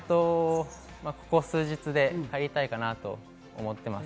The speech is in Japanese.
ここ数日で帰りたいかなと思っています。